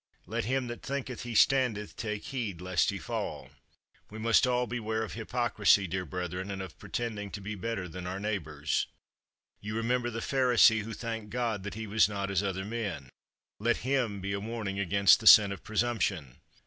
Let him that thinketh he standeth take heed lest he fall. We must all beware of hypocrisy, dear brethren, and of pretending to be better than our neighbors. You remember the Pharisee who thanked God that he was not as other men. Let him be a warning against the sin of presumption.